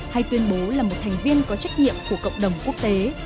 hay tuyên bố là một thành viên có trách nhiệm của cộng đồng quốc tế